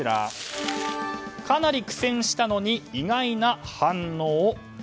かなり苦戦したのに意外な反応。